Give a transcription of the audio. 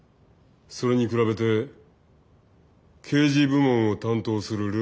それに比べて刑事部門を担当するルーム１は。